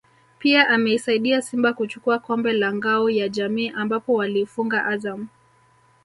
pia ameisaidia Simba kuchukua kombe la Ngao ya Jamii ambapo waliifunga Azam